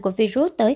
của virus corona mới